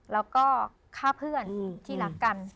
แล้วก็ฆ่าเพื่อนที่รักกัน